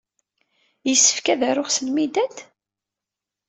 Yessefk ad aruɣ s lmidad?